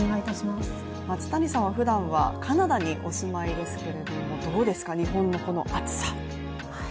松谷さんは、ふだんは、カナダにお住まいですが、どうですか、日本の暑さ。